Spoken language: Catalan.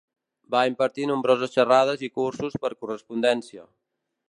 Va impartir nombroses xerrades i cursos per correspondència.